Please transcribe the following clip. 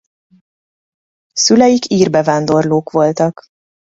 Szüleik ír bevándorlók voltak.